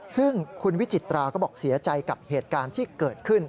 ซึ่งคุณวิจิตราก็บอกเสียใจกับเหตุการณ์ที่เกิดขึ้น